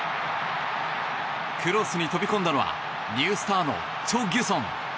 クロスに飛び込んだのはニュースターのチョ・ギュソン！